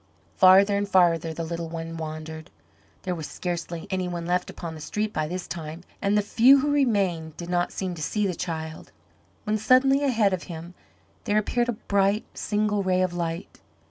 Farther and farther the little one wandered. There was scarcely any one left upon the street by this time, and the few who remained did not seem to see the child, when suddenly ahead of him there appeared a bright, single ray of light.